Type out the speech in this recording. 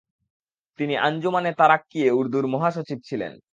তিনি আঞ্জুমানে তারাক্কিয়ে উর্দুর মহাসচিব ছিলেন।